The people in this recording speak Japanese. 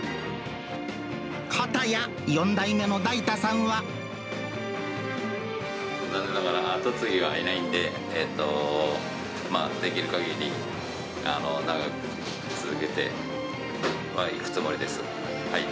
かたや、残念ながら後継ぎがいないんで、できるかぎり長く続けてはいくつもりです。